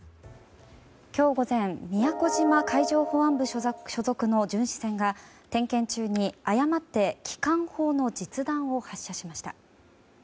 今日午前宮古島海上保安部所属の巡視船が点検中に誤って機関砲の実弾を発射しました。